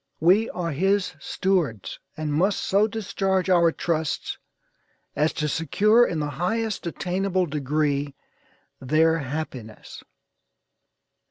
We are his stewards, and must so discharge our trust as to secure in the highest attainable degree their happiness."